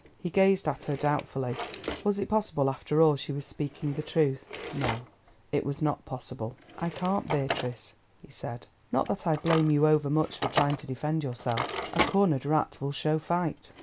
He gazed at her doubtfully. Was it possible after all she was speaking the truth? No; it was not possible. "I can't, Beatrice," he said—"not that I blame you overmuch for trying to defend yourself; a cornered rat will show fight."